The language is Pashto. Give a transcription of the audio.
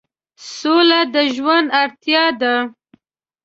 سوله د ژوند اړتیا ده.